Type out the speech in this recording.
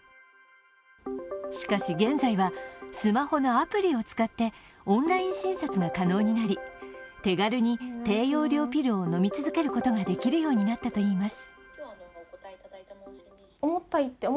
しかし現在は、スマホのアプリを使ってオンライン診察が可能になり、手軽に低用量ピルを飲み続けることができるようになったといいます。